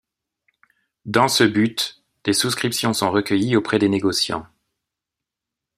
Dans ce but, des souscriptions sont recueillies auprès des négociants.